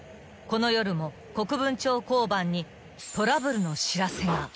［この夜も国分町交番にトラブルの知らせが］